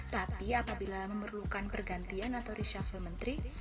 tapi apabila memerlukan pergantian atau reshuffle menteri